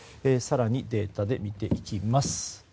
更にデータで見ていきます。